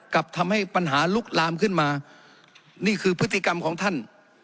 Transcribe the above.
ทำให้ปัญหาลุกลามขึ้นมานี่คือพฤติกรรมของท่าน